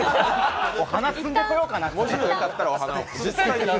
花、摘んでこようかな。